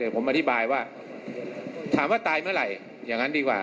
ผมอธิบายว่าถามว่าตายเมื่อไหร่อย่างนั้นดีกว่า